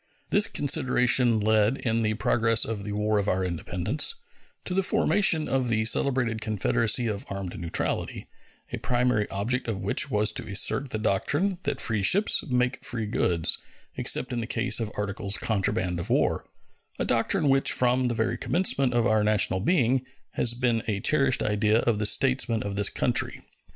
This consideration led, in the progress of the War of our Independence, to the formation of the celebrated confederacy of armed neutrality, a primary object of which was to assert the doctrine that free ships make free goods, except in the case of articles contraband of war a doctrine which from the very commencement of our national being has been a cherished idea of the statesmen of this country.